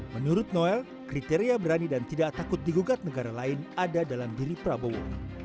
menurut noel kriteria berani dan tidak takut digugat negara lain ada dalam diri prabowo